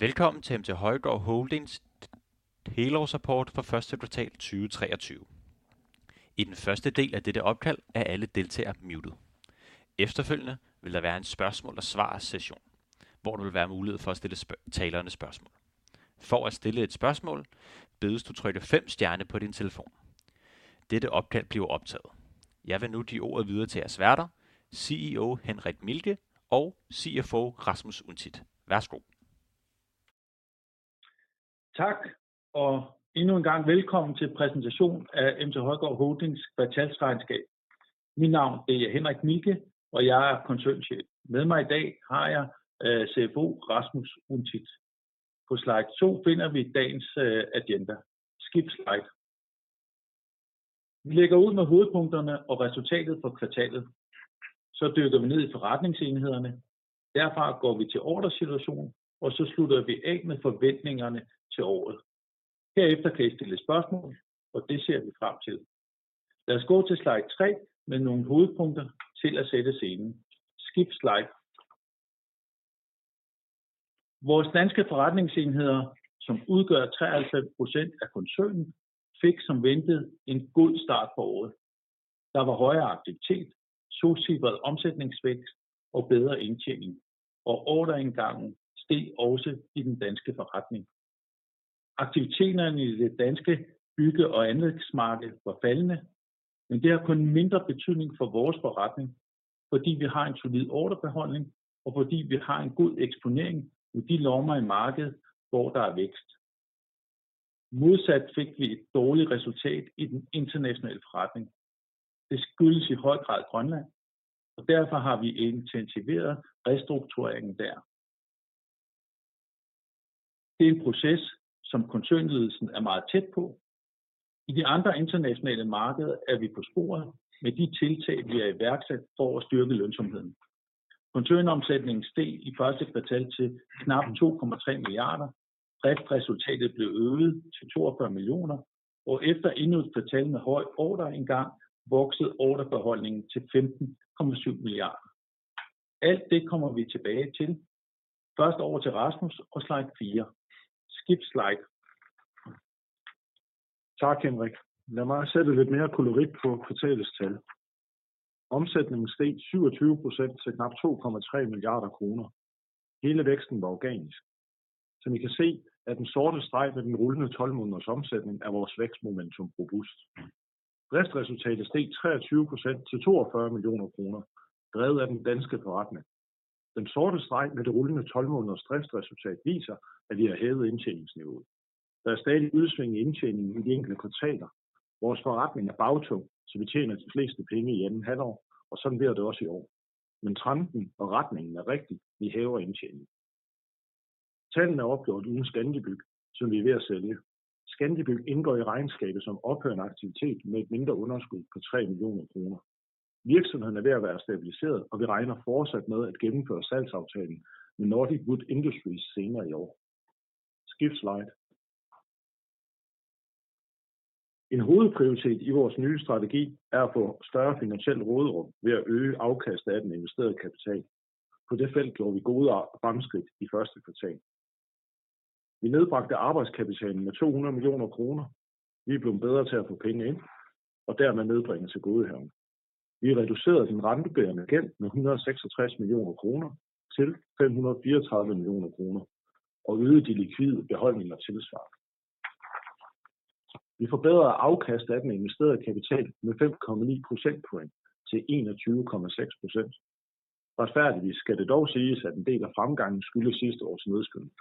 Velkommen til MT Højgaard Holdings helårsrapport for første kvartal 2023. I den første del af dette opkald er alle deltagere mutet. Efterfølgende vil der være en spørgsmål og svar session, hvor der vil være mulighed for at stille talerne spørgsmål. For at stille et spørgsmål bedes du trykke 5 star på din telefon. Dette opkald bliver optaget. Jeg vil nu give ordet videre til jeres værter CEO Henrik Mielke og CFO Rasmus Untofts. Værsgo. Tak og endnu en gang velkommen til præsentationen af MT Højgaard Holdings kvartalsregnskab. Mit navn det er Henrik Mielke, og jeg er koncernchef. Med mig i dag har jeg CFO Rasmus Untofts. På slide 2 finder vi dagens agenda. Skip slide. Vi lægger ud med hovedpunkterne og resultatet for kvartalet. Dykker vi ned i forretningsenhederne. Derfra går vi til ordersituationen, og så slutter vi af med forventningerne til året. Herefter kan I stille spørgsmål, og det ser vi frem til. Lad os gå til slide 3 med nogle hovedpunkter til at sætte scenen. Skip slide. Vores danske forretningsenheder, som udgør 53% af koncernen, fik som ventet en god start på året. Der var højere aktivitet, tocifret omsætningsvækst og bedre indtjening, og ordreindgangen steg også i den danske forretning. Aktiviteterne i det danske bygge- og anlægsmarked var faldende, men det har kun mindre betydning for vores forretning, fordi vi har en solid ordrebeholdning, og fordi vi har en god eksponering i de lommer i markedet, hvor der er vækst. Fik vi et dårligt resultat i den internationale forretning. Det skyldes i høj grad Grønland, derfor har vi intensiveret restruktureringen der. Det er en proces, som koncernledelsen er meget tæt på. I de andre internationale markeder er vi på sporet med de tiltag, vi har iværksat for at styrke lønsomheden. Koncernomsætningen steg i first quarter til knap 2.3 billion. Driftsresultatet blev øget til 42 million, efter endnu et kvartal med høj ordreindgang voksede ordrebeholdningen til 15.7 billion. Alt det kommer vi tilbage til. Først over til Rasmus og slide 4. Skip slide. Tak, Henrik. Lad mig sætte lidt mere kolorit på kvartallets tal. Omsætningen steg 27% til knap DKK 2.3 billion. Hele væksten var organisk. Som I kan se, er den sorte streg med den rullende tolvmåneders omsætning af vores vækstmomentum robust. Driftresultatet steg 23% til 42 million kroner, drevet af den danske forretning. Den sorte streg med det rullende tolvmåneders driftsresultat viser, at vi har hævet indtjeningsniveauet. Der er stadig udsving i indtjening i de enkelte kvartaler. Vores forretning er bagtung, så vi tjener de fleste penge i andet halvår, og sådan bliver det også i år. Trenden og retningen er rigtig. Vi hæver indtjeningen. Tallene er opgjort uden Scandi Byg, som vi er ved at sælge. Scandi Byg indgår i regnskabet som ophørende aktivitet med et mindre underskud på 3 million kroner. Virksomheden er ved at være stabiliseret, og vi regner fortsat med at gennemføre salgsaftalen med Nordic Wood Industries senere i år. Skip slide. En hovedprioritet i vores nye strategi er at få større finansielt råderum ved at øge afkastet af den investerede kapital. På det felt gjorde vi gode fremskridt i første kvartal. Vi nedbragte arbejdskapitalen med 200 million kroner. Vi er blevet bedre til at få penge ind og dermed nedbringe tilgodehavender. Vi reducerede den rentebærende gæld med 166 million kroner til 534 million kroner og øgede de likvide beholdninger tilsvarende. Vi forbedrede afkastet af den investerede kapital med 5.9 percentage points til 21.6%. Retfærdigvis skal det dog siges, at en del af fremgangen skyldes sidste års nedskrivning.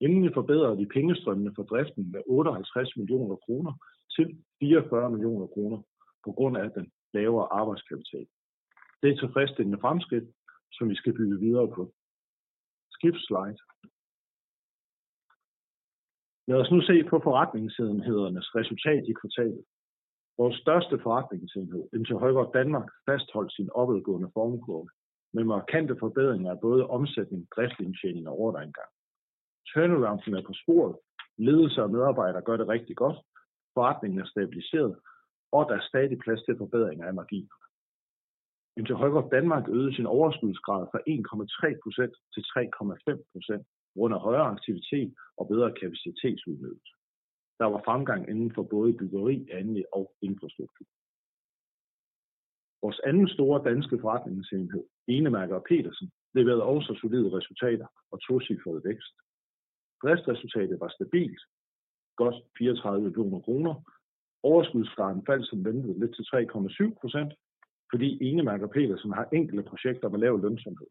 Endelig forbedrede vi pengestrømmene fra driften med 58 million kroner til 44 million kroner på grund af den lavere arbejdskapital. Det er et tilfredsstillende fremskridt, som vi skal bygge videre på. Skip slide. Lad os nu se på forretningsenhedernes resultat i kvartalet. Vores største forretningsenhed, MT Højgaard Danmark, fastholdt sin opadgående formkurve med markante forbedringer af både omsætning, driftsindtjening og ordreindgang. Turnarounden er på sporet. Ledelse og medarbejdere gør det rigtig godt. Forretningen er stabiliseret, og der er stadig plads til forbedringer af marginerne. MT Højgaard Danmark øgede sin overskudsgrad fra 1.3% til 3.5% på grund af højere aktivitet og bedre kapacitetsudnyttelse. Der var fremgang inden for både byggeri, anlæg og infrastruktur. Vores anden store danske forretningsenhed, Enemærke & Petersen, leverede også solide resultater og tocifret vækst. Driftresultatet var stabilt, godt 34 million kroner. Overskudsgraden faldt som ventet lidt til 3.7%, fordi Enemærke & Petersen har enkelte projekter med lav lønsomhed.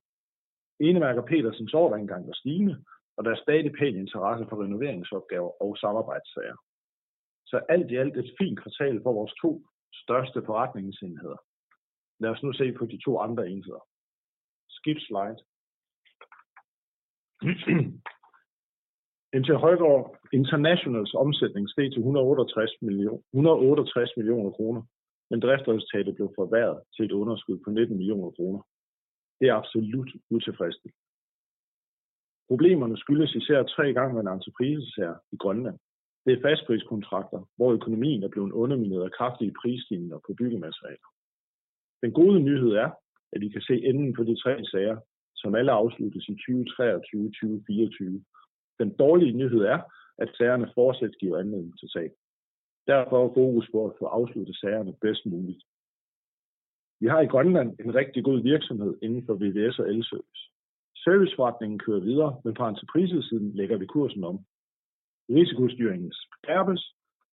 Enemærke & Petersens ordreindgang var stigende, og der er stadig pæn interesse for renoveringsopgaver og samarbejdssager. Alt i alt et fint kvartal for vores to største forretningsenheder. Lad os nu se på de to andre enheder. Skip slide. MT Højgaard Internationals omsætning steg til 168 million kroner, men driftsresultatet blev forværret til et underskud på 19 million kroner. Det er absolut utilfredsstillende. Problemerne skyldes især tre gennemførte entreprisesager i Grønland. Det er fastpriskontrakter, hvor økonomien er blevet undermineret af kraftige prisstigninger på byggematerialer. Den gode nyhed er, at vi kan se enden på de tre sager, som alle afsluttes i 2023, 2024. Den dårlige nyhed er, at sagerne fortsat giver anledning til tab. Derfor fokus på at få afsluttet sagerne bedst muligt. Vi har i Grønland en rigtig god virksomhed inden for VVS og el-service. Serviceforretningen kører videre, men på entreprisesiden lægger vi kursen om. Risikostyringen skærpes,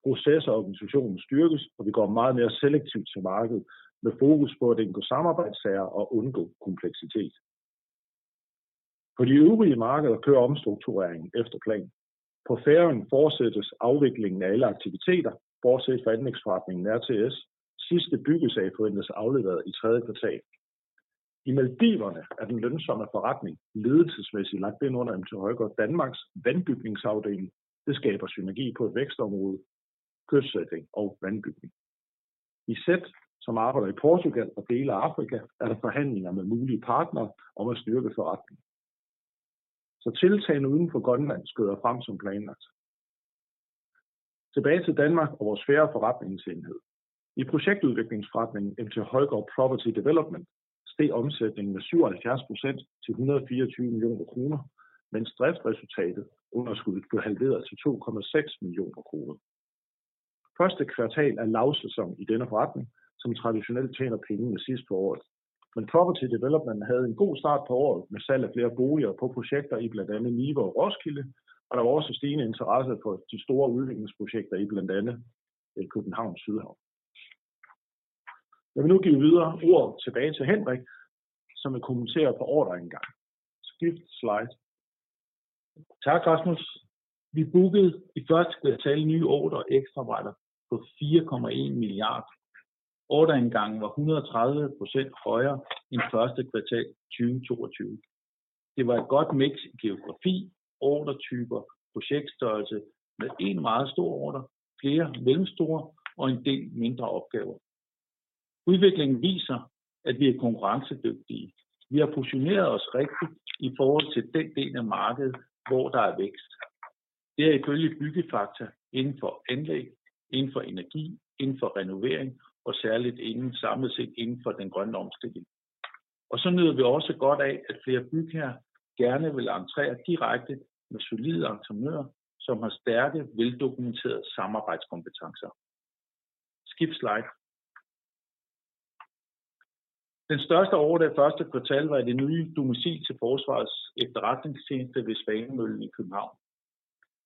proces og organisationen styrkes, og vi går meget mere selektivt til markedet med fokus på at indgå samarbejdssager og undgå kompleksitet. På de øvrige markeder kører omstruktureringen efter plan. På Færøerne fortsættes afviklingen af alle aktiviteter bortset fra anlægsforretningen RTS. Sidste byggesag forventes afleveret i tredje kvartal. I Maldiverne er den lønsomme forretning ledelsesmæssigt lagt ind under MT Højgaard Danmarks vandbygningsafdeling. Det skaber synergi på et vækstområde, kystsikring og vandbygning. I Seth, som arbejder i Portugal og dele af Afrika, er der forhandlinger med mulige partnere om at styrke forretningen. Tiltagene uden for Grønland skrider frem som planlagt. Tilbage til Danmark og vores færre forretningsenhed. I projektudviklingsforretningen MT Højgaard Property Development steg omsætningen med 77% til 124 million kroner, mens driftsresultatet, underskuddet, blev halveret til 2.6 million kroner. Første kvartal er lavsæson i denne forretning, som traditionelt tjener pengene sidst på året. Property Development havde en god start på året med salg af flere boliger på projekter i blandt andet Nibe og Roskilde, og der var også stigende interesse for de store udviklingsprojekter i blandt andet Københavns Sydhavn. Jeg vil nu give videre ordet tilbage til Henrik, som vil kommentere på ordrer indgang. Skip slide. Tak Rasmus. Vi bookede i first quarter nye ordrer og ekstraarbejder for DKK 4.1 milliard. Ordreindgangen var 130% højere end first quarter 2022. Det var et godt miks i geografi, ordertyper, projektstørrelse med en meget stor ordre, flere mellemstore og en del mindre opgaver. Udviklingen viser, at vi er konkurrencedygtige. Vi har positioneret os rigtigt i forhold til den del af markedet, hvor der er vækst. Det er ifølge Byggefakta inden for anlæg, inden for energi, inden for renovering og særligt inden samlet set inden for den grønne omstilling. Vi nyder vi også godt af, at flere bygherrer gerne vil entrere direkte med solide entreprenører, som har stærke, veldokumenterede samarbejdskompetencer. Skip slide. Den største ordre i first quarter var i det nye domicil til Forsvarets Efterretningstjeneste ved Svanemøllen i København.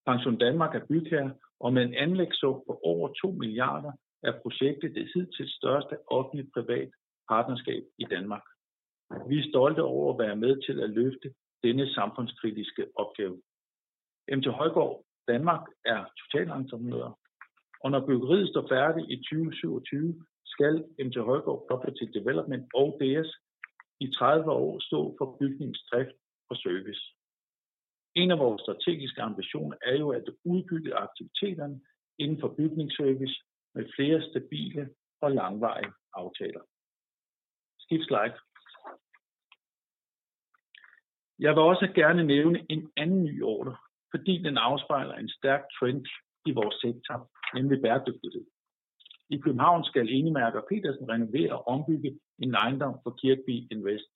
PensionDanmark er bygherre, og med en anlægssum på over 2 billion er projektet det hidtil største offentligt-private partnerskab i Danmark. Vi er stolte over at være med til at løfte denne samfundskritiske opgave. MT Højgaard Danmark er totalentreprenør, og når byggeriet står færdigt i 2027, skal MT Højgaard Property Development og DS i 30 år stå for bygningens drift og service. En af vores strategiske ambitioner er jo at udbygge aktiviteterne inden for bygningsservice med flere stabile og langvarige aftaler. Skip slide. Jeg vil også gerne nævne en anden ny ordre, fordi den afspejler en stærk trend i vores sektor, nemlig bæredygtighed. I København skal Enemærke & Petersen renovere og ombygge en ejendom for Kirkbi Invest.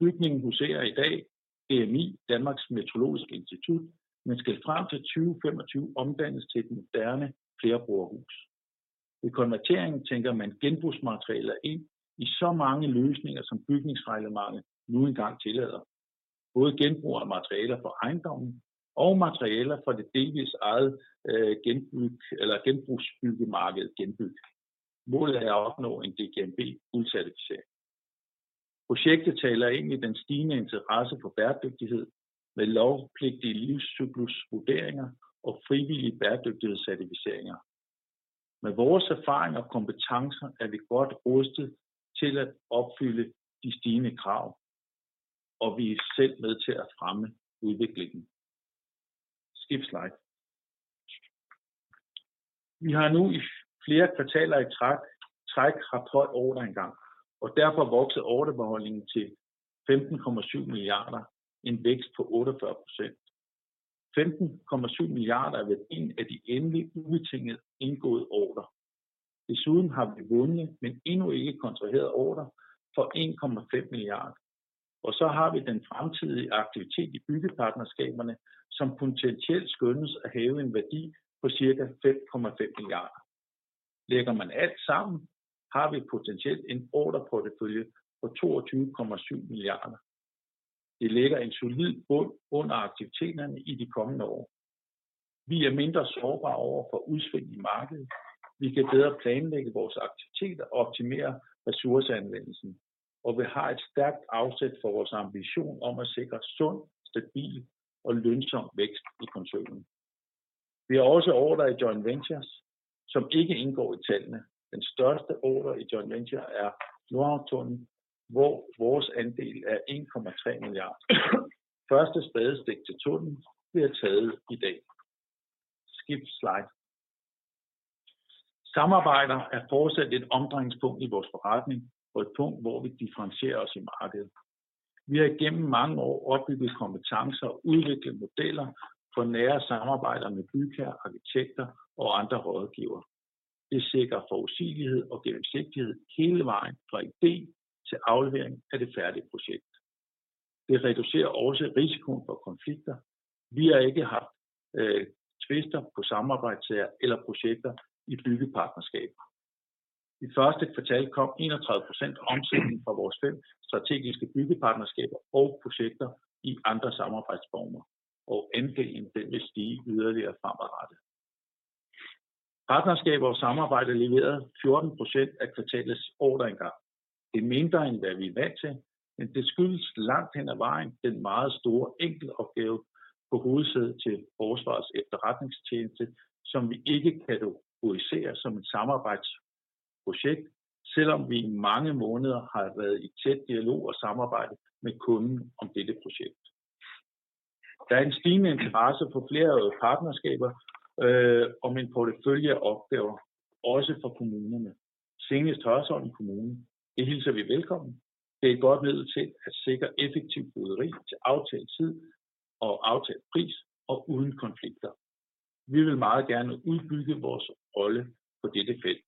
Bygningen huser i dag DMI, Danmarks Meteorologiske Institut, men skal frem til 2025 omdannes til et moderne flerbrugerhus. Ved konverteringen tænker man genbrugsmaterialer ind i så mange løsninger, som bygningsreglementet nu engang tillader. Både genbrug af materialer fra ejendommen og materialer fra det delvist eget Genbyg eller genbrugsbyggemarked Genbyg. Målet er at opnå en DGNB-fuldcertificering. Projektet taler ind i den stigende interesse for bæredygtighed med lovpligtige livscyklusvurderinger og frivillige bæredygtighedscertificeringer. Med vores erfaring og kompetencer er vi godt rustet til at opfylde de stigende krav, og vi er selv med til at fremme udviklingen. Skip slide. Vi har nu i flere kvartaler i træk haft høj ordrerindgang, og derfor er vokset ordrebogholdningen til 15.7 billion. En vækst på 48%. 15.7 billion er værdien af de endelige, ubetinget indgåede ordrer. Desuden har vi vundne, men endnu ikke kontraheret ordrer for 1.5 billion. Vi har den fremtidige aktivitet i byggepartnerskaberne, som potentielt skønnes at have en værdi på cirka 5.5 billion. Lægger man alt sammen, har vi potentielt en ordreportefølje på 22.7 billion. Det lægger en solid bund under aktiviteterne i de kommende år. Vi er mindre sårbare over for udsving i markedet. Vi kan bedre planlægge vores aktiviteter og optimere ressourceanvendelsen, og vi har et stærkt afsæt for vores ambition om at sikre sund, stabil og lønsom vækst i koncernen. Vi har også ordrer i joint ventures, som ikke indgår i tallene. Den største ordre i joint venture er Nordhavntunnelen, hvor vores andel er 1.3 billion. Første spadestik til tunnelen bliver taget i dag. Skip slide. Samarbejder er fortsat et omdrejningspunkt i vores forretning og et punkt, hvor vi differentierer os i markedet. Vi har igennem mange år opbygget kompetencer og udviklet modeller for nære samarbejder med bygherrer, arkitekter og andre rådgivere. Det sikrer forudsigelighed og gennemsigtighed hele vejen fra idé til aflevering af det færdige projekt. Det reducerer også risikoen for konflikter. Vi har ikke haft tvister på samarbejdssager eller projekter i byggepartnerskaber. I første kvartal kom 31% omsætning fra vores fem strategiske byggepartnerskaber og projekter i andre samarbejdsformer, og andelen den vil stige yderligere fremadrettet. Partnerskaber og samarbejde leverede 14% af kvartallets ordringang. Det er mindre, end hvad vi er vant til, men det skyldes langt hen ad vejen den meget store enkeltopgave på hovedsædet til Forsvarets Efterretningstjeneste, som vi ikke kategoriserer som et samarbejdsprojekt, selvom vi i mange måneder har været i tæt dialog og samarbejde med kunden om dette projekt. Der er en stigende interesse for flerårige partnerskaber om en portefølje af opgaver, også fra kommunerne. Senest Hørsholm Kommune. Det hilser vi velkommen. Det er et godt middel til at sikre effektivt byggeri til aftalt tid og aftalt pris og uden konflikter. Vi vil meget gerne udbygge vores rolle på dette felt.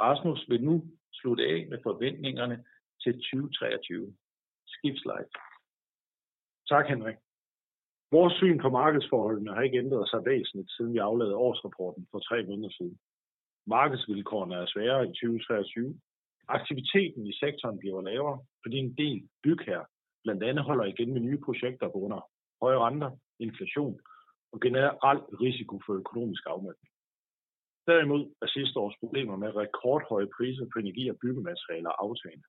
Rasmus vil nu slutte af med forventningerne til 2023. Skift slide. Tak, Henrik. Vores syn på markedsforholdene har ikke ændret sig væsentligt, siden vi aflagde årsrapporten for 3 måneder siden. Markedsvilkårene er sværere i 2023. Aktiviteten i sektoren bliver lavere, fordi en del bygherrer blandt andet holder igen med nye projekter på grund af høje renter, inflation og generel risiko for økonomisk afmatning. Sidste års problemer med rekordhøje priser på energi og byggematerialer er aftagende.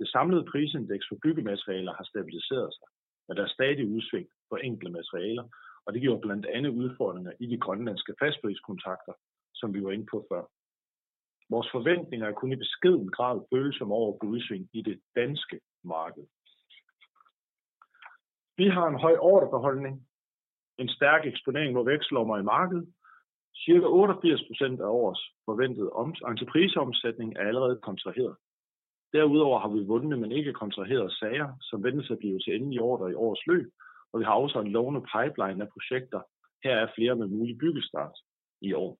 Det samlede prisindeks for byggematerialer har stabiliseret sig, men der er stadig udsving på enkelte materialer, og det giver blandt andet udfordringer i de grønlandske fastpriskontrakter, som vi var inde på før. Vores forventninger er kun i beskeden grad følsomme over for udsving i det danske marked. Vi har en høj ordrabeholdning, en stærk eksponering mod vækstlommer i markedet. Cirka 88% af årets forventede entrepriseomsætning er allerede kontraheret. Derudover har vi vundne, men ikke kontraherede sager, som ventes at blive til endelige ordrer i årets løb, og vi har også en lovende pipeline af projekter, heraf flere med mulig byggestart i år.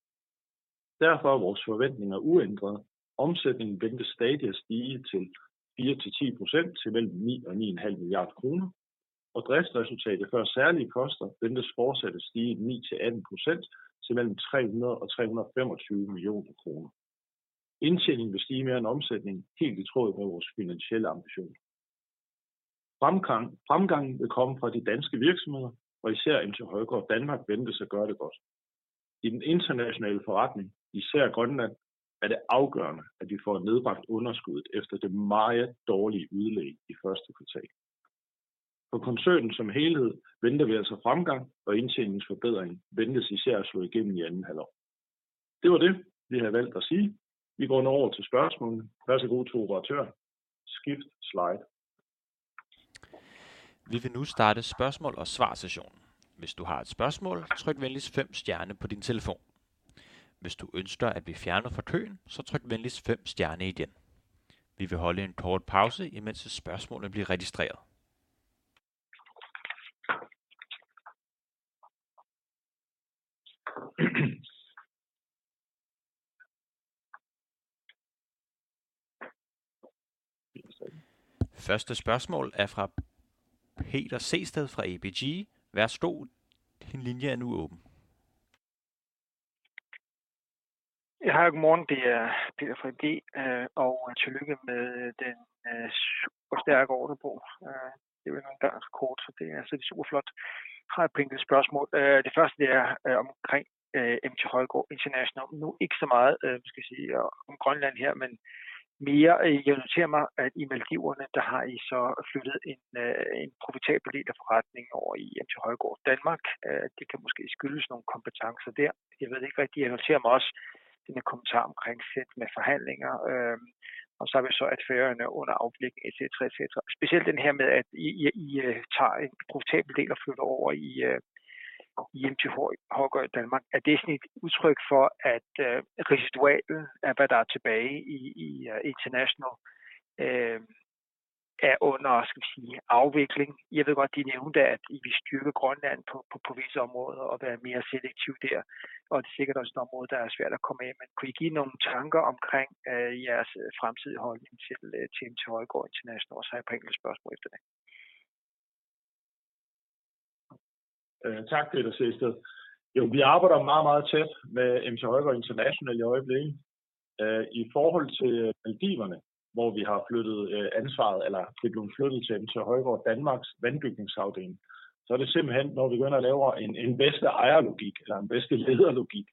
Derfor er vores forventninger uændrede. Omsætningen ventes stadig at stige til 4%-10% til mellem 9 billion-9.5 billion kroner, og driftsresultatet før særlige poster ventes fortsat at stige 9%-18% til mellem 300 million-325 million kroner. Indtjeningen vil stige mere end omsætningen helt i tråd med vores finansielle ambitioner. Fremgangen vil komme fra de danske virksomheder og især MT Højgaard Danmark ventes at gøre det godt. I den internationale forretning, især Grønland, er det afgørende, at vi får nedbragt underskuddet efter det meget dårlige udlæg i første kvartal. For koncernen som helhed venter vi altså fremgang. Indtjeningsforbedring ventes især at slå igennem i anden halvår. Det var det, vi havde valgt at sige. Vi går nu over til spørgsmålene. Værsgo to operatør. Skift slide. Vi vil nu starte spørgsmål og svar sessionen. Hvis du har et spørgsmål, tryk venligst 5 stjerne på din telefon. Hvis du ønsker at blive fjernet fra køen, tryk venligst 5 stjerne igen. Vi vil holde en kort pause, imens spørgsmålene bliver registreret. Første spørgsmål er fra Peter Sehested fra ABG. Værsgo, din linje er nu åben. Ja, hej, godmorgen. Det er Peter fra ABG, og tillykke med den superstærke ordrebog. Det er vel nogen der har rekord, så det er altså superflot. Jeg har et par enkelte spørgsmål. Det første, det er omkring MT Højgaard International. Nu ikke så meget, hvad skal jeg sige, om Grønland her, men mere, jeg noterer mig, at i Maldives, der har I så flyttet en profitabel del af forretningen over i MT Højgaard Danmark. Det kan måske skyldes nogle kompetencer der. Jeg ved det ikke rigtigt. Jeg noterer mig også den her kommentar omkring Seth med forhandlinger. Så har vi så, at Faroe Islands under afvikling et cetera, et cetera. Specielt den her med at I tager en profitabel del og flytter over i MT Højgaard Danmark. Er det sådan et udtryk for, at residualen af hvad der er tilbage i International, er under, hvad skal vi sige afvikling? Jeg ved godt, I nævnte, at I ville styrke Grønland på visse områder og være mere selektiv der. Det er sikkert også et område, der er svært at komme af. Kunne I give nogle tanker omkring jeres fremtidige holdning til MT Højgaard International, og så har jeg et par enkelte spørgsmål efter det? Tak, Peter Sehested. vi arbejder meget tæt med MT Højgaard International i øjeblikket. i forhold til Maldiverne, hvor vi har flyttet ansvaret, eller det er blevet flyttet til MT Højgaard Danmarks vandbygningsafdeling, så er det simpelthen, når vi begynder at lave en bedste ejerlogik eller en bedste lederlogik.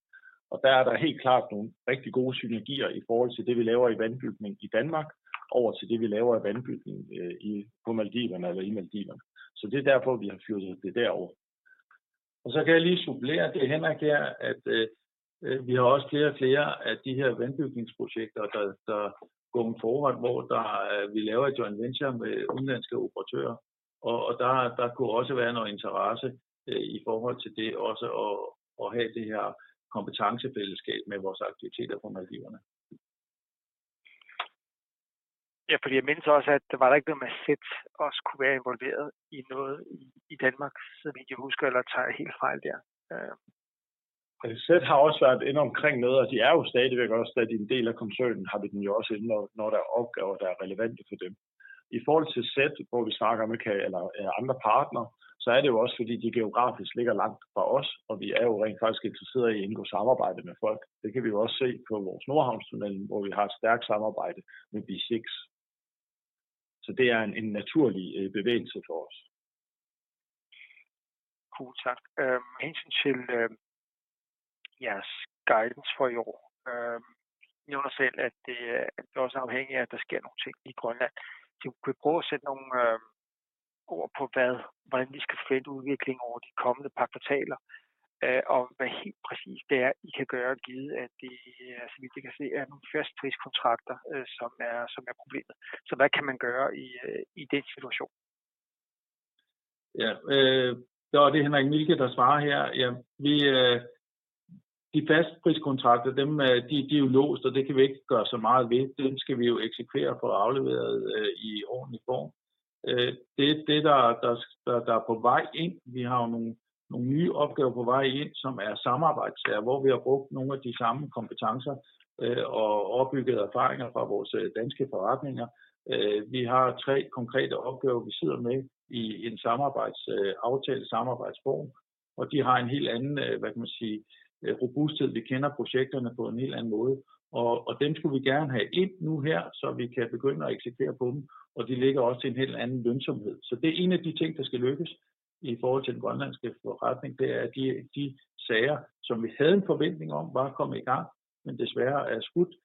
der er der helt klart nogle rigtig gode synergier i forhold til det, vi laver i vandbygning i Danmark over til det vi laver i vandbygning i, på Maldiverne eller i Maldiverne. det er derfor, vi har flyttet det derover. Så kan jeg lige supplere det, Henrik her, at vi har også flere og flere af de her vandbygningsprojekter, der går en forretning, hvor der vi laver et joint venture med udenlandske operatører, og der kunne også være noget interesse i forhold til det også at have det her kompetencefællesskab med vores aktiviteter på Maldiverne. Jeg mindes også, at der var da ikke noget med, at Zet også kunne være involveret i noget i Denmark, så vidt jeg husker, eller tager jeg helt fejl der? Zet har også været inde omkring noget. De er jo stadigvæk også stadig en del af koncernen. Har vi dem jo også inde, når der er opgaver, der er relevante for dem. I forhold til Zet, hvor vi snakker med eller andre partnere, så er det jo også, fordi de geografisk ligger langt fra os. Vi er jo rent faktisk interesserede i at indgå samarbejde med folk. Det kan we jo også se på vores Nordhavnstunnel, hvor vi har et stærkt samarbejde med Besix. Det er en naturlig bevægelse for os. Cool, tak. henset til jeres guidance for i år. I nævner selv, at det også er afhængigt af, at der sker nogle ting i Grønland. Kan du prøve at sætte nogle ord på hvad, hvordan vi skal forvente udviklingen over de kommende par kvartaler, og hvad helt præcist det er, I kan gøre, givet at det, så vidt jeg kan se, er nogle fastpriskontrakter, som er problemet? Hvad kan man gøre i den situation? Ja. Så er det Henrik Mielke, der svarer her. Jamen vi... De fastpriskontrakter dem, de er jo låst, og det kan vi ikke gøre så meget ved. Dem skal vi jo eksekvere og få afleveret i ordentlig form. Det er det, der er på vej ind. Vi har jo nogle nye opgaver på vej ind, som er samarbejdssager, hvor vi har brugt nogle af de samme kompetencer og opbygget erfaringer fra vores danske forretninger. Vi har tre konkrete opgaver, vi sidder med i en samarbejdsaftale, samarbejdsform, og de har en helt anden, hvad kan man sige, robusthed. Vi kender projekterne på en helt anden måde, og dem skulle vi gerne have ind nu her, så vi kan begynde at eksekvere på dem, og de ligger også til en helt anden lønsomhed. Det er en af de ting, der skal lykkes i forhold til den Grønlandske forretning. Det er, at de sager, som vi havde en forventning om var kommet i gang, men desværre er skudt,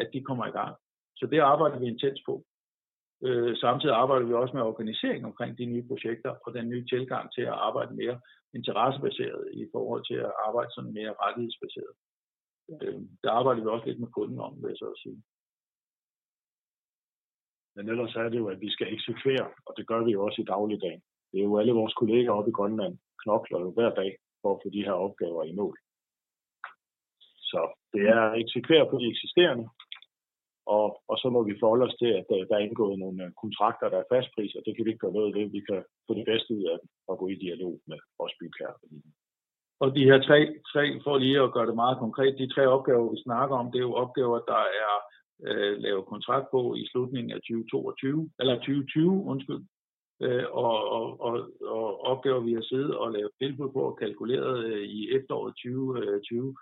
at de kommer i gang. Det arbejder vi intenst på. Samtidig arbejder vi også med organiseringen omkring de nye projekter og den nye tilgang til at arbejde mere interessebaseret i forhold til at arbejde sådan mere rettighedsbaseret. Det arbejder vi også lidt med kunden om, vil jeg så sige. Ellers er det jo, at vi skal eksekvere, og det gør vi jo også i dagligdagen. Det er jo alle vores kollegaer oppe i Grønland knokler jo hver dag for at få de her opgaver i mål. Det er at eksekvere på de eksisterende, og så må we forholde os til, at der er indgået nogle kontrakter, der er fastpris, og det kan vi ikke gøre noget ved. Vi kan få det bedste ud af dem og gå i dialog med også bygherre om det. De her 3 for lige at gøre det meget konkret. De 3 opgaver, vi snakker om, det er jo opgaver, der er lavet kontrakt på i slutningen af 2022 eller 2020 undskyld, og opgaver vi har siddet og lavet tilbud på og kalkuleret i efteråret 2020.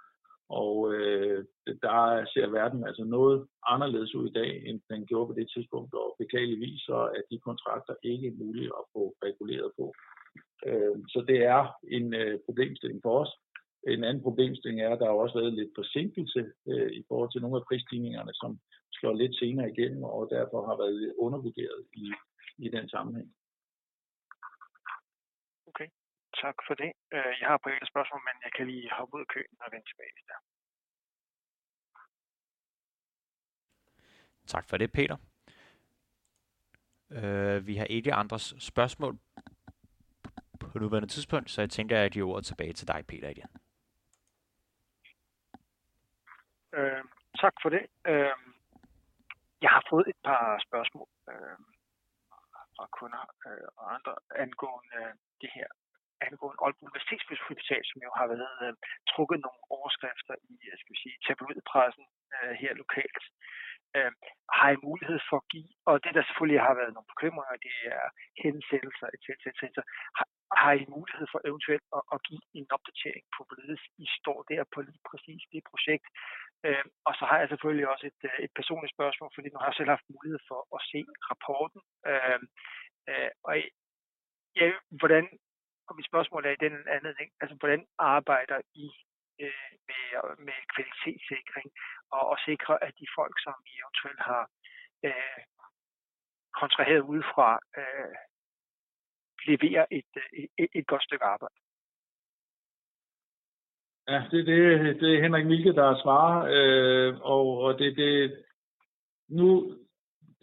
Der ser verden altså noget anderledes ud i dag, end den gjorde på det tidspunkt. Beklageligvis så er de kontrakter ikke mulige at få reguleret på. Det er en problemstilling for os. En anden problemstilling er, at der også er lavet lidt forsinkelse i forhold til nogle af prisstigningerne, som slår lidt senere igennem og derfor har været underbudderet i den sammenhæng. Okay, tak for det. Jeg har et par flere spørgsmål, men jeg kan lige hoppe ud af køen og vende tilbage lidt der. Tak for det, Peter. Vi har ikke andre spørgsmål på nuværende tidspunkt. Jeg tænker, at jeg giver ordet tilbage til dig, Peter igen. Tak for det. Jeg har fået et par spørgsmål fra kunder og andre angående det her angående Nyt Aalborg Universitetshospital, som jo har været trukket nogle overskrifter i, hvad skal vi sige, tabloidpressen her lokalt. Har I mulighed for at give, og det der selvfølgelig har været nogle bekymringer, det er hændelser, et cetera, et cetera, et cetera. Har I mulighed for eventuelt at give en opdatering på, hvorledes I står der på lige præcis det projekt? Så har jeg selvfølgelig også et personligt spørgsmål, fordi man har selv haft mulighed for at se rapporten. Og ja, hvordan, og mit spørgsmål er i den anledning, altså hvordan arbejder I med kvalitetssikring og sikre, at de folk, som I eventuelt har kontraheret udefra, leverer et godt stykke arbejde? Ja, det er Henrik Mielke, der svarer.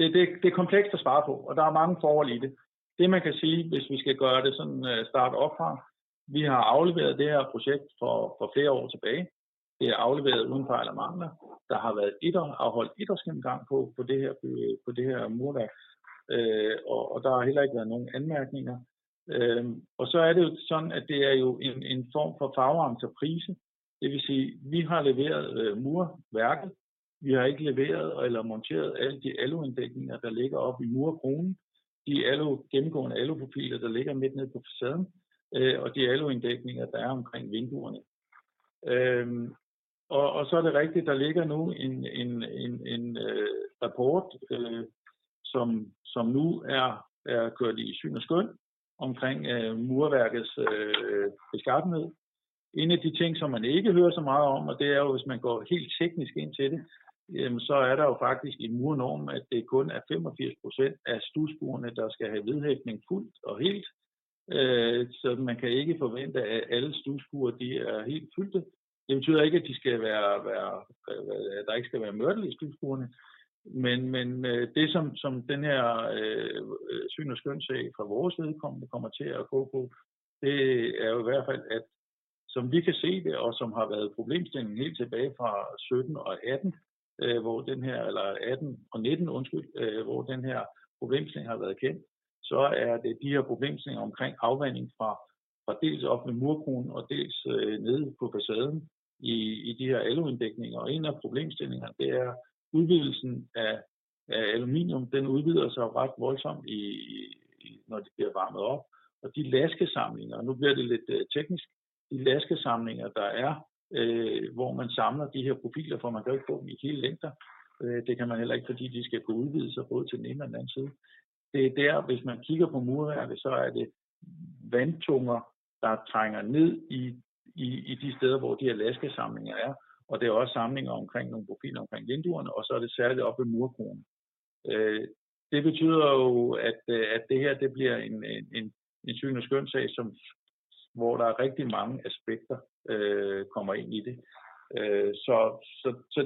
Det er komplekst at svare på, og der er mange forhold i det. Det man kan sige, hvis vi skal gøre det sådan start oppe fra. Vi har afleveret det her projekt for flere år tilbage. Det er afleveret uden fejl og mangler. Der har afholdt etårsgennemgang på det her murværk, og der har heller ikke været nogen anmærkninger. Så er det jo sådan, at det er jo en form for fagentreprise. Det vil sige, vi har leveret murværket. Vi har ikke leveret eller monteret alle de aluinddækninger, der ligger oppe i murkronen. De gennemgående aluprofiler, der ligger midt nede på facaden, og de aluinddækninger, der er omkring vinduerne. Så er det rigtigt, der ligger nu en rapport, som nu er kørt i syn og skøn omkring murværkets beskaffenhed. En af de ting, som man ikke hører så meget om, og det er jo, hvis man går helt teknisk ind til det, jamen så er der jo faktisk i murnormen, at det kun er 85% af studskurene, der skal have vedhæftning fuldt og helt. Man kan ikke forvente, at alle studskure de er helt fyldte. Det betyder ikke, at de skal være, at der ikke skal være mørtel i studskurene. Det som den her syn og skøn-sag fra vores vedkommende kommer til at gå på, det er jo i hvert fald. Som vi kan se det, og som har været problemstillingen helt tilbage fra 17 og 18, hvor den her, eller 18 og 19, undskyld, hvor den her problemstilling har været kendt, så er det de her problemstillinger omkring afvanding fra dels oppe ved murkronen og dels nede på facaden i de her aluinddækninger. En af problemstillingerne, det er udvidelsen af aluminium. Den udvider sig ret voldsomt i, når det bliver varmet op og de laskesamlinger, nu bliver det lidt teknisk. De laskesamlinger, der er, hvor man samler de her profiler, for man kan ikke få dem i hele længder. Det kan man heller ikke, fordi de skal kunne udvide sig både til den ene og den anden side. Det er der, hvis man kigger på murværket, så er det vandtunger, der trænger ned i de steder, hvor de her laskesamlinger er. Det er også samlinger omkring nogle profiler omkring vinduerne, og så er det særligt oppe ved murkronen. Det betyder jo, at det her det bliver en syn og skøn sag, som hvor der er rigtig mange aspekter kommer ind i det.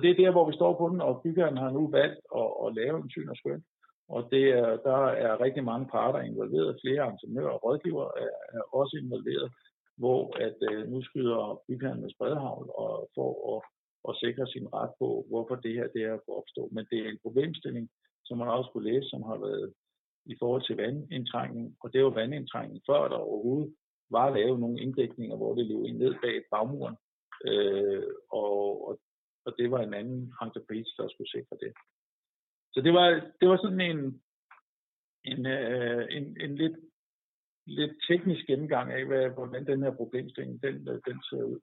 Det er der, hvor vi står på den, og bygherren har nu valgt at lave en syn og skøn, og det er der er rigtig mange parter involveret. Flere entreprenører og rådgivere er også involveret, hvor at nu skyder bygherren med spredehagl og for at sikre sin ret på, hvorfor det her det er opstået. Det er en problemstilling, som man også kunne læse, som har været i forhold til vandindtrængning, og det var vandindtrængning før der overhovedet var lavet nogle inddækninger, hvor det løb ned bag bagmuren, og det var en anden entrepriser, der skulle sikre det. Det var sådan en lidt teknisk gennemgang af, hvordan den her problemstilling den ser ud.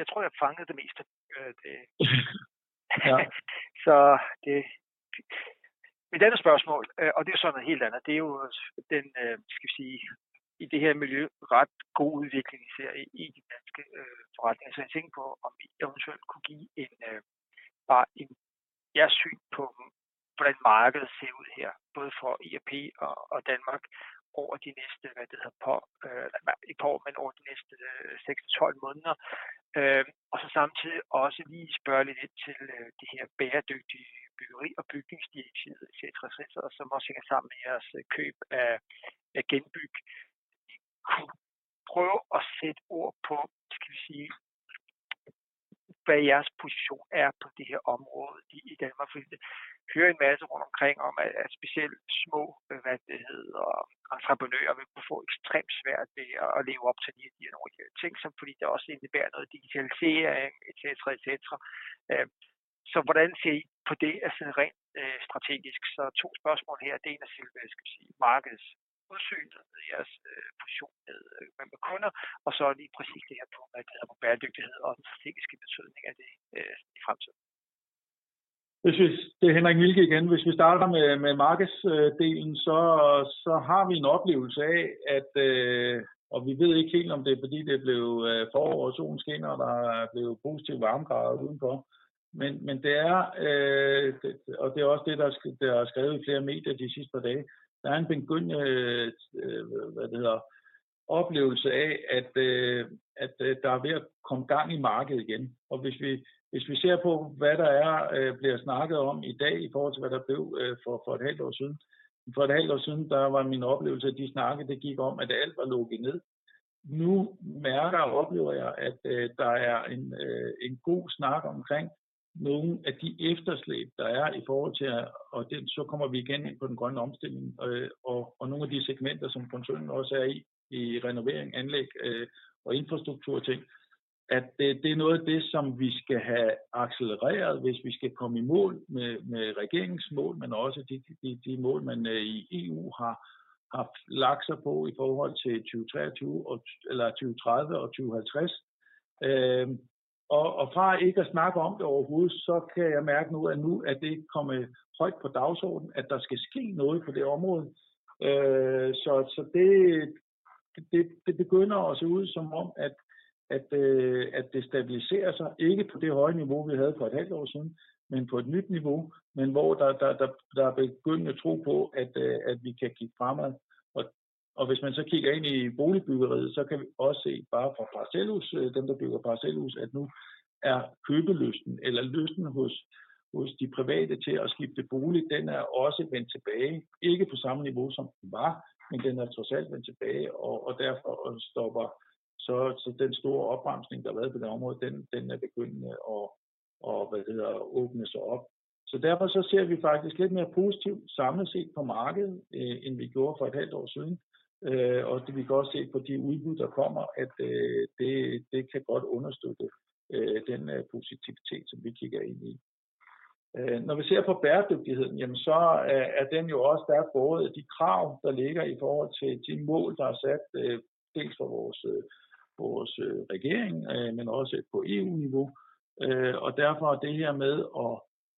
Jeg tror, jeg fangede det meste. Ja. Det andet spørgsmål, og det er så noget helt andet. Det er jo den, hvad skal vi sige, i det her miljø ret gode udvikling især i de danske forretninger. Jeg tænkte på, om I eventuelt kunne give en, bare en, jeres syn på, hvordan markedet ser ud her både for E&P og Danmark over de næste, hvad er det hedder, ikke par, men over de næste 6-12 måneder. Samtidig også lige spørge lidt ind til det her bæredygtige byggeri og Bygningsdirektivet et cetera, som også hænger sammen med jeres køb af Genbyg. Kunne I prøve at sætte ord på, hvad skal vi sige, hvad jeres position er på det her område lige i Danmark? Fordi vi hører en masse rundtomkring om, at specielt små, hvad er det det hedder, entreprenører vil kunne få ekstremt svært ved at leve op til de her ting, fordi det også indebærer noget digitalisering et cetera, et cetera. Hvordan ser I på det rent strategisk? To spørgsmål her. Det ene er selve, hvad skal vi sige, markedets udsyn og jeres position med kunder. Lige præcist det her på, hvad det hedder, på bæredygtighed og den strategiske betydning af det i fremtiden. Det er Henrik Mielke igen. Hvis vi starter med markedsdelen, så har vi en oplevelse af, at, og vi ved ikke helt, om det er, fordi det er blevet forår, og solen skinner, og der er blevet positive varmegrader udenfor. Det er, og det er også det, der er skrevet i flere medier de sidste par dage. Der er en begyndende, hvad det hedder, oplevelse af, at der er ved at komme gang i markedet igen. Hvis vi ser på, hvad der er bliver snakket om i dag, i forhold til hvad der blev for et halvt år siden. For et halvt år siden, der var min oplevelse, at de snakke det gik om, at alt var lukket ned. Nu mærker og oplever jeg, at der er en god snak omkring nogle af de efterslæb, der er i forhold til at, og så kommer vi igen ind på den grønne omstilling og nogle af de segmenter, som koncernen også er i renovering, anlæg og infrastrukturting. Det er noget af det, som vi skal have accelereret, hvis vi skal komme i mål med regeringens mål, men også de mål man i EU har haft lagt sig på i forhold til 2023 og eller 2030 og 2050. Fra ikke at snakke om det overhovedet, så kan jeg mærke nu, at nu er det kommet højt på dagsordenen, at der skal ske noget på det område. Det, det begynder at se ud som om, at, at det stabiliserer sig. Ikke på det høje niveau vi havde for et halvt år siden, men på et nyt niveau, men hvor der er begyndende tro på, at vi kan kigge fremad. Hvis man så kigger ind i boligbyggeriet, så kan vi også se bare fra parcelhus, dem der bygger parcelhus, at nu er købelysten eller lysten hos de private til at skifte bolig, den er også vendt tilbage. Ikke på samme niveau som den var, men den er trods alt vendt tilbage. Derfor stopper så den store opbremsning, der har været på det område, den er begyndende at, hvad det hedder, åbne sig op. Derfor så ser vi faktisk lidt mere positivt samlet set på markedet, end vi gjorde for et halvt år siden. Det kan vi også se på de udbud, der kommer, at det kan godt understøtte den positivitet, som vi kigger ind i. Når vi ser på bæredygtigheden, så er den jo også der båret af de krav, der ligger i forhold til de mål, der er sat dels fra vores regering, men også på EU-niveau. Derfor det her med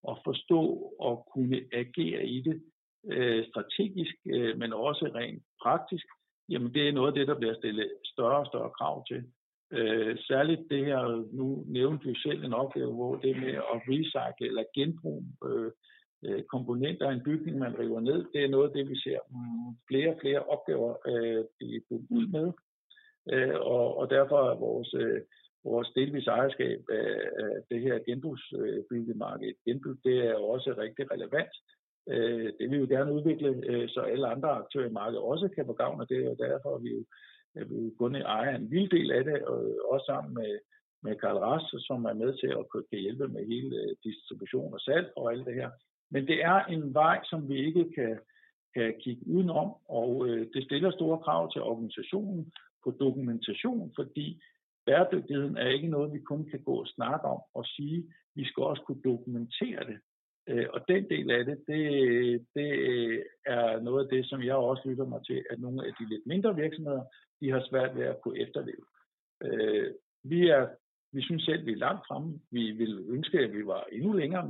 at forstå og kunne agere i det strategisk, men også rent praktisk. Det er noget af det, der bliver stillet større og større krav til. Særligt det her, nu nævnte du selv en opgave, hvor det med at recycle eller genbruge komponenter i en bygning, man river ned. Det er noget af det, vi ser flere og flere opgaver blive budt ind med. Derfor er vores delvise ejerskab af det her genbrugsbyggemarked, Genbyg, det er også rigtig relevant. Det vil vi gerne udvikle, så alle andre aktører i markedet også kan få gavn af det. Derfor er vi jo kun ejer af en lille del af det og også sammen med Carl Ras, som er med til at kunne hjælpe med hele distribution og salg og alt det her. Det er en vej, som vi ikke kan kigge udenom, og det stiller store krav til organisationen på dokumentation, fordi bæredygtigheden er ikke noget, vi kun kan gå og snakke om og sige, vi skal også kunne dokumentere det. Den del af det er noget af det, som jeg også lytter mig til, at nogle af de lidt mindre virksomheder de har svært ved at kunne efterleve. Vi er, vi synes selv, vi er langt fremme. Vi ville ønske, at vi var endnu længere.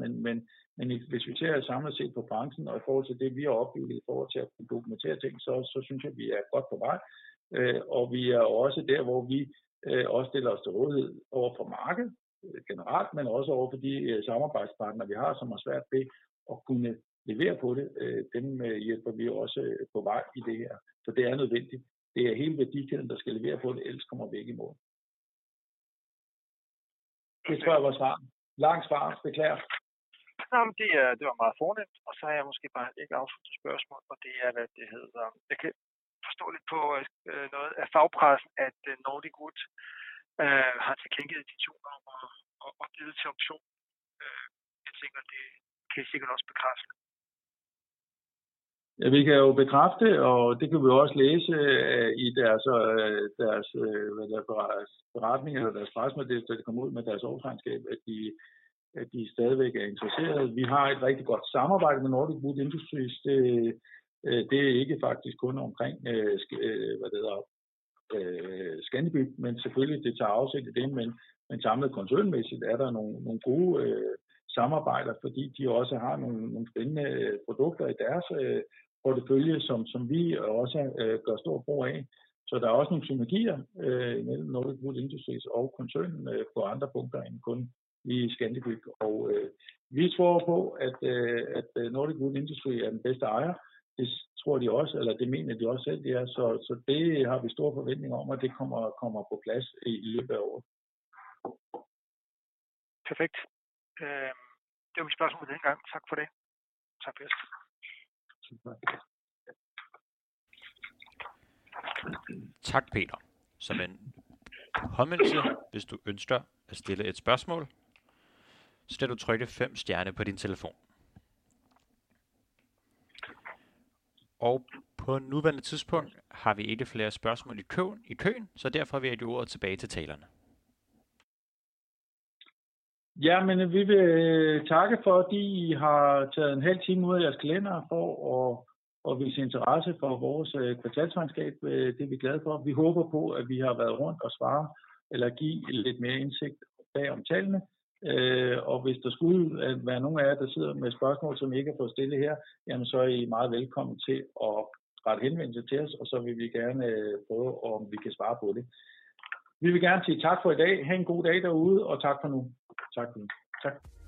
Hvis vi ser samlet set på branchen og i forhold til det, vi har opbygget i forhold til at kunne dokumentere ting, så synes jeg, vi er godt på vej. Vi er også der, hvor vi også stiller os til rådighed ovre på markedet generelt, men også ovre på de samarbejdspartnere, vi har, som har svært ved at kunne levere på det. Dem hjælper vi også på vej i det her, så det er nødvendigt. Det er hele værdikæden, der skal levere på det, ellers kommer vi ikke i mål. Det tror jeg var svaret. Langt svar, beklager. Nej, men det var meget fornemt. Så har jeg måske bare et enkelt opfølgningsspørgsmål, og det er, hvad det hedder. Jeg kan forstå lidt på noget af fagpressen, at Nordic Wood har tilkinket editioner og bydet til option. Jeg tænker, det kan I sikkert også bekræfte. Vi kan jo bekræfte, og det kan vi også læse i deres, hvad hedder det der, beretning eller deres pressemeddelelse, da de kom ud med deres årsregnskab, at de stadigvæk er interesserede. Vi har et rigtig godt samarbejde med Nordic Wood Industries. Det er ikke faktisk kun omkring, hvad hedder det, Scandi Byg, men selvfølgelig det tager afsæt i det. Samlet koncernmæssigt er der nogle gode samarbejder, fordi de også har nogle spændende produkter i deres portefølje, som vi også gør stor brug af. Der er også nogle synergier imellem Nordic Wood Industries og koncernen på andre punkter end kun i Scandi Byg. Vi tror på, at Nordic Wood Industries er den bedste ejer. Det tror de også, eller det mener de også selv, de er. Det har vi store forventninger om, at det kommer på plads i løbet af året. Perfekt. Det var mit spørgsmål denne gang. Tak for det. Selv tak. Tak Peter. Som en påmindelse, hvis du ønsker at stille et spørgsmål, skal du trykke 5 stjerne på din telefon. På nuværende tidspunkt har vi ikke flere spørgsmål i køen, så derfor vil jeg give ordet tilbage til talerne. Jamen vi vil takke for, at I har taget en halv time ud af jeres kalender for at vise interesse for vores kvartalsregnskab. Det er vi glade for. Vi håber på, at vi har været rundt og svare eller give lidt mere indsigt bag om tallene. Og hvis der skulle være nogen af jer, der sidder med spørgsmål, som I ikke har fået stillet her, jamen så er I meget velkomne til at rette henvendelse til os, og så vil vi gerne prøve, om vi kan svare på det. Vi vil gerne sige tak for i dag. Ha' en god dag derude og tak for nu. Tak. Tak.